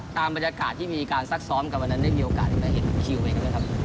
ตามบรรยากาศที่มีการซักซ้อมกันวันนั้นได้มีโอกาสมาเห็นคิวเองไหมครับ